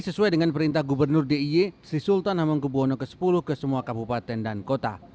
sesuai dengan perintah gubernur diy sri sultan hamengkubwono ke sepuluh ke semua kabupaten dan kota